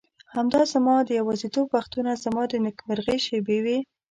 همدا زما د یوازیتوب وختونه زما د نېکمرغۍ شېبې وې.